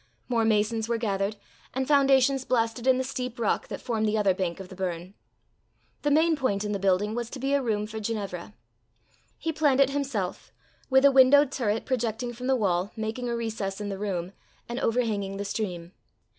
More masons were gathered, and foundations blasted in the steep rock that formed the other bank of the burn. The main point in the building was to be a room for Ginevra. He planned it himself with a windowed turret projecting from the wall, making a recess in the room, and overhanging the stream.